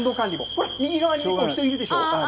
ほら、右側に人がいるでしょ。